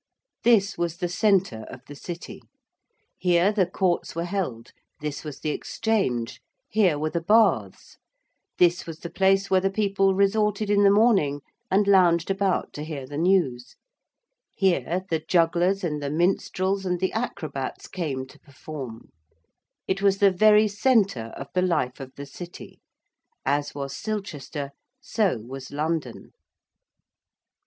This was the centre of the city: here the courts were held; this was the Exchange; here were the baths; this was the place where the people resorted in the morning and lounged about to hear the news; here the jugglers and the minstrels and the acrobats came to perform; it was the very centre of the life of the city as was Silchester so was London. [Illustration: Walker & Boutallse. ROMAN LONDON.